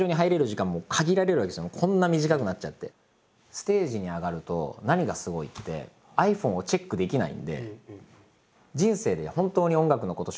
ステージに上がると何がすごいってｉＰｈｏｎｅをチェックできないんで。